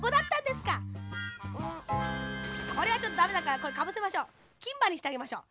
「んこれはちょっとだめだからこれかぶせましょう。きんばにしてあげましょう。